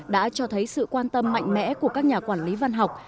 đã cho thấy sự quan tâm mạnh mẽ của các nhà quản lý văn học